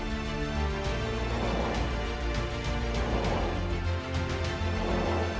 peredikat opini wajar tanpa pengecualian selama tujuh belas tahun berturut turut atas lalui bank indonesia